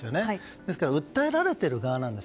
ですから訴えられている側なんです。